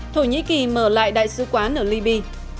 thổ nhĩ kỳ mở lại đại sứ quán ở liby